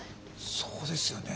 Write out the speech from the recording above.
そうですよね。